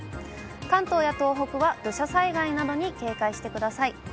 関東や東北は土砂災害などに警戒してください。